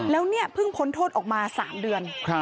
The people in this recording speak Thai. แล้วเนี่ยเพิ่งพ้นโทษออกมา๓เดือน